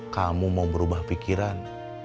kamu mau berubah pikiran